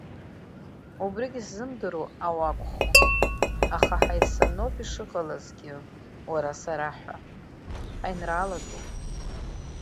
Убригьы сзымдыруа ауакәху, аха ҳаисаноуп ишыҟалазгьы, уара-сара ҳәа, ҳаинраалатәуп…